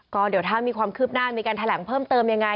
ก็เดี๋ยวถ้ามีความคืบหน้ามีการแถลงเพิ่มเติมยังไง